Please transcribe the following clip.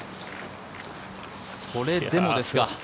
それでもですか。